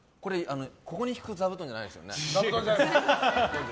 ここにひく座布団じゃないですよね？